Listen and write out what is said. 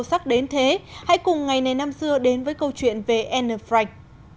sắc đến thế hãy cùng ngày này năm xưa đến với câu chuyện về anne frank